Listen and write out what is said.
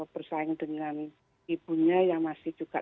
bersaing dengan ibunya yang masih juga